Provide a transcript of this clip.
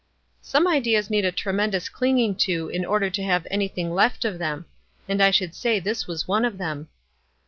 " Some ideas need a tremendous clinging to in order to have anything left of them ; and I should say this was one of them."